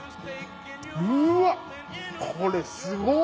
うわっこれすごっ！